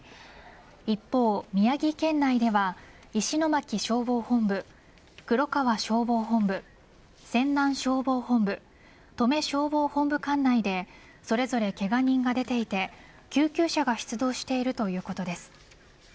一方、宮城県内では石巻消防本部黒川消防本部泉南消防本部登米消防本部管内でそれぞれけが人が出ていて救急車が出動しているということです。